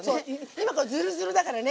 今これズルズルだからね。